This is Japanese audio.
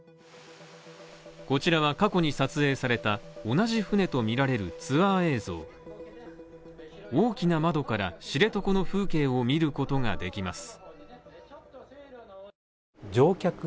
こちらは過去に撮影された、同じ船とみられるツアー映像大きな窓から知床の風景を見ることができます。